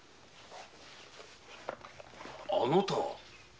あなたは！？